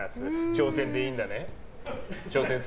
挑戦でいいんだね？